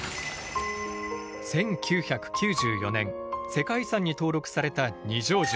１９９４年世界遺産に登録された二条城。